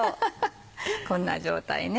こんな状態ね